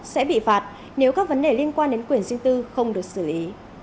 sẽ bị phạt nếu các vấn đề liên quan đến quyền riêng tư không được xử lý